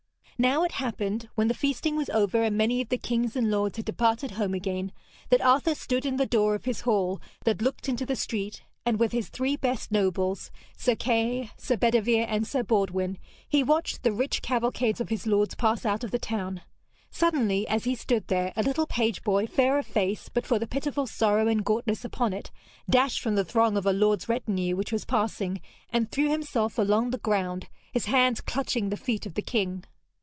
Now it happened, when the feasting was over and many of the kings and lords had departed home again, that Arthur stood in the door of his hall that looked into the street, and with his three best nobles, Sir Kay, Sir Bedevere and Sir Baudwin, he watched the rich cavalcades of his lords pass out of the town. Suddenly, as he stood there, a little page boy, fair of face but for the pitiful sorrow and gauntness upon it, dashed from the throng of a lord's retinue which was passing and threw himself along the ground, his hands clutching the feet of the king.